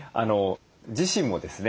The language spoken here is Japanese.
自身もですね